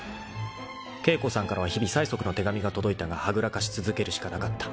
［景子さんからは日々催促の手紙が届いたがはぐらかし続けるしかなかった］